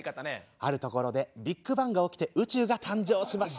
あるところでビッグバンが起きて宇宙が誕生しました。